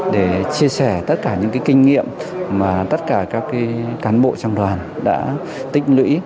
để chia sẻ tất cả những kinh nghiệm mà tất cả các cán bộ trong đoàn đã tích lũy